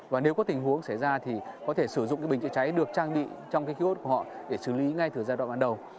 và nếu có tình huống xảy ra thì có thể sử dụng bình chữa cháy được trang bị trong cái kiosk của họ để xử lý ngay từ giai đoạn ban đầu